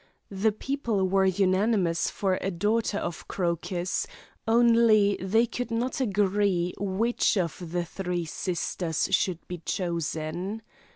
The people were unanimous for a daughter of Crocus, only they could not agree which of the three sisters should be chosen.